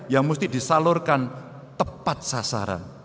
yang mesti disalurkan tepat sasaran